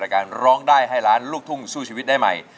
การร้องได้ให้ล้านลูกทุ่งสู้ชีวิตได้ใหม่